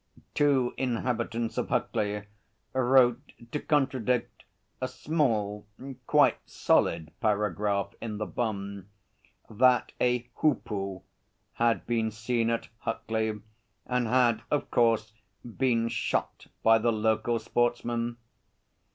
Two inhabitants of Huckley wrote to contradict a small, quite solid paragraph in The Bun that a hoopoe had been seen at Huckley and had, 'of course, been shot by the local sportsmen.'